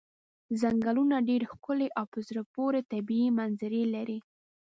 څنګلونه ډېرې ښکلې او په زړه پورې طبیعي منظرې لري.